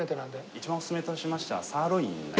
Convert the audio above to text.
一番おすすめとしましては。